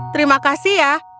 terima kasih ya